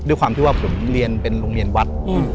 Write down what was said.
ด้วยความที่ว่าผมเรียนเป็นโรงเรียนวัด